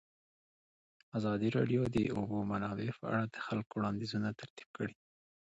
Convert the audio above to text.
ازادي راډیو د د اوبو منابع په اړه د خلکو وړاندیزونه ترتیب کړي.